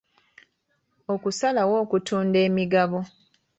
Okusalawo okutunda emigabo.